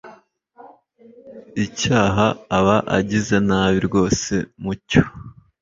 icyaha aba agize nabi rwose. mucyo